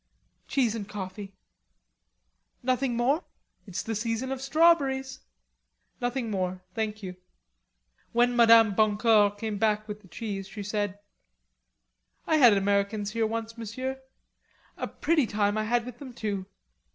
"Cheese and coffee." "Nothing more? It's the season of strawberries." "Nothing more, thank you." When Madame Boncour came back with the cheese, she said: "I had Americans here once, Monsieur. A pretty time I had with them, too.